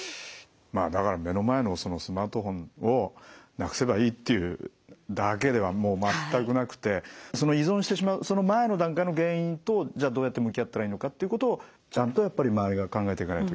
だから目の前のスマートフォンをなくせばいいっていうだけではもう全くなくてその依存してしまうその前の段階の原因とじゃあどうやって向き合ったらいいのかっていうことをちゃんとやっぱり周りが考えていかないといけないっていうことなんですね。